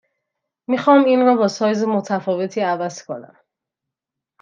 می خواهم این را با سایز متفاوتی عوض کنم.